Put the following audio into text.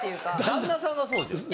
旦那さんがそうじゃん。